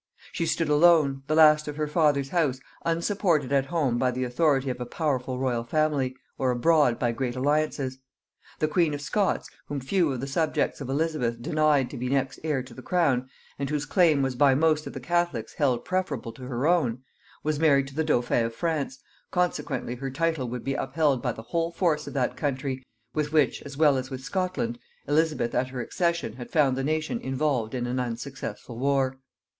She stood alone, the last of her father's house, unsupported at home by the authority of a powerful royal family, or abroad by great alliances. The queen of Scots, whom few of the subjects of Elizabeth denied to be next heir to the crown, and whose claim was by most of the catholics held preferable to her own, was married to the dauphin of France, consequently her title would be upheld by the whole force of that country, with which, as well as with Scotland, Elizabeth at her accession had found the nation involved in an unsuccessful war.